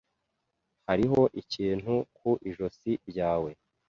Hariho ikintu ku ijosi ryawe.